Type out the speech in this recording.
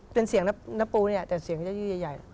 เป็นเสียงน้ำปูเนี่ยแต่เสียงจะยืดใหญ่